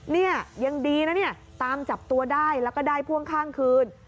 เนี่ยยังดีนะเนี่ยตามจับตัวได้แล้วก็ได้พ่วงข้างคืน